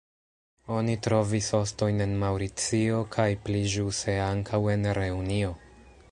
Oni trovis ostojn en Maŭricio kaj pli ĵuse ankaŭ en Reunio.